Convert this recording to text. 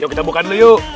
yuk kita buka dulu yuk